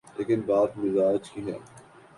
لیکن بات مزاج کی ہے۔